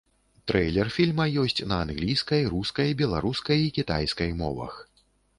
Трэйлер фільма ёсць на англійскай, рускай, беларускай і кітайскай мовах.